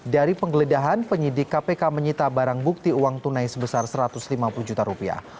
dari penggeledahan penyidik kpk menyita barang bukti uang tunai sebesar satu ratus lima puluh juta rupiah